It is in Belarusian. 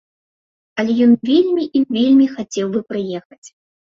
Але ён вельмі і вельмі хацеў бы прыехаць.